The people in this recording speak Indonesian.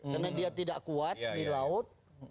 karena dia tidak kuat di laut